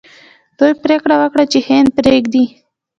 دوی پریکړه وکړه چې هند پریږدي.